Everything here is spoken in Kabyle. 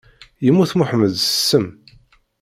Yemmut Muḥemmed s ssem.